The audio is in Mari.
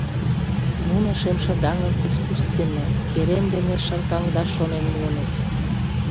Нуно шемшыдаҥым искусственно — керем дене шыркаҥдаш шонен муыныт.